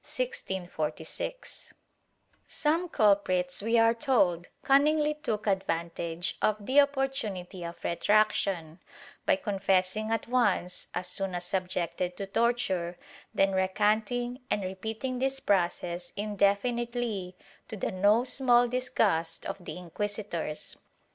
^ Some culprits, we are told, cunningly took advantage of the opportunity of retraction, by confessing at once, as soon as sub jected to torture, then recanting and repeating this process indefinitely, to the no small disgust of the inquisitors.